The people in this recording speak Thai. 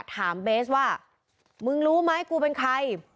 ถามเบสว่ามึงรู้มั้ยกูเป็นใคร